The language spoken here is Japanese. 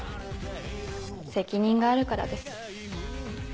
責任があるからです。